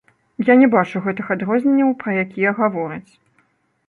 Я не бачу гэтых адрозненняў, пра якія гавораць.